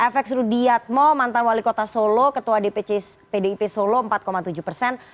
fx rudiatmo mantan wali kota solo ketua dpc pdip solo empat tujuh persen